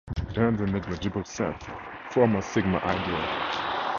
Then the negligible sets form a sigma-ideal.